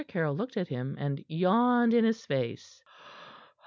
Caryll looked at him, and yawned in his face.